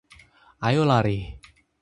Ayo lari.